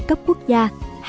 cấp quốc gia hay cấp thành phố